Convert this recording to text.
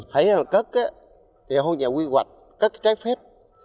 thấy là cất á thì hôn nhà quy hoạch cất trái phép